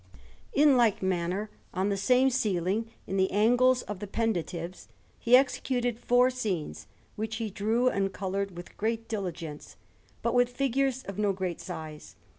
In like manner, on the same ceiling, in the angles of the pendentives, he executed four scenes which he drew and coloured with great diligence, but with figures of no great size.